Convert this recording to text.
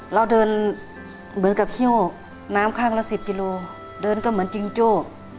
เราเดินเหมือนกับหิ้วน้ำข้างละสิบกิโลเดินก็เหมือนจิงโจ้